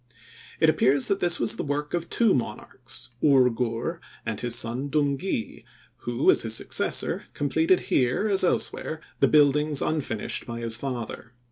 It appears that this was the work of two monarchs, Ur Gur, and his son, Dungi, who as his successor, completed here, as elsewhere, the buildings unfinished by his father.